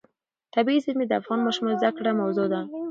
طبیعي زیرمې د افغان ماشومانو د زده کړې موضوع ده.